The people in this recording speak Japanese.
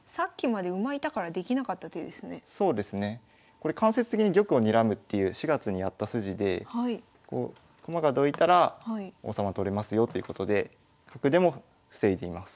これ間接的に玉をにらむっていう４月にやった筋でこう駒がどいたら王様取れますよということで角出も防いでいます。